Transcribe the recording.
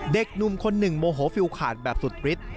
เด็กหนุ่มคนหนึ่งโมโหฟิลขาดแบบสุดฤทธิ์